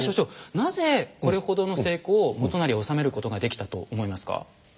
なぜこれほどの成功を元就は収めることができたと思いますか？